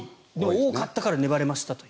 多かったから粘れましたと。